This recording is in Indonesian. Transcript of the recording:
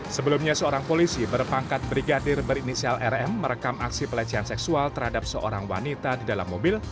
sebelumnya seorang polisi berpangkat brigadir berinisial rm merekam aksi pelecehan seksual terhadap seorang wanita di dalam mobil